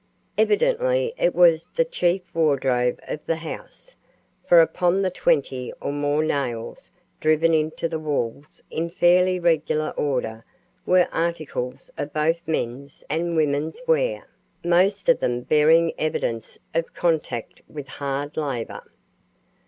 Evidently it was the chief wardrobe of the house, for upon the twenty or more nails driven into the walls in fairly regular order were articles of both men's and women's wear, most of them bearing evidence of contact with hard labor.